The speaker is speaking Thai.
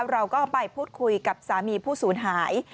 เราก็ไปพูดคุยกับสามีผู้สูญหาย